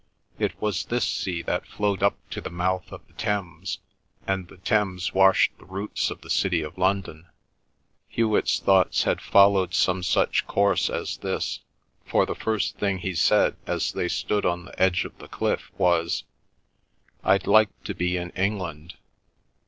It was this sea that flowed up to the mouth of the Thames; and the Thames washed the roots of the city of London. Hewet's thoughts had followed some such course as this, for the first thing he said as they stood on the edge of the cliff was— "I'd like to be in England!"